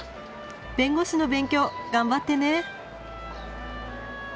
弁護士の勉強頑張ってね。